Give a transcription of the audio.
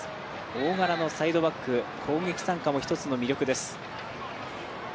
大柄のサイドバック、攻撃参加も１つの魅力です。